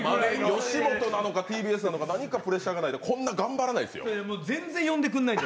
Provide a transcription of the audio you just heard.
吉本なのかＴＢＳなのか何かプレッシャーがないとこんなに頑張らないですよ。